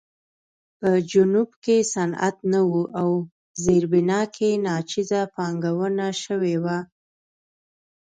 په جنوب کې صنعت نه و او زیربنا کې ناچیزه پانګونه شوې وه.